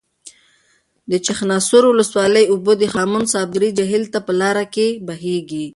د چخانسور ولسوالۍ اوبه د هامون صابري جهیل ته په لاره کې بهیږي.